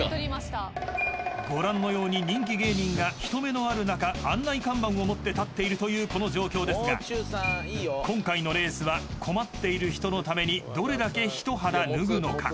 ［ご覧のように人気芸人が人目のある中案内看板を持って立っているというこの状況ですが今回のレースは困っている人のためにどれだけ一肌脱ぐのか？］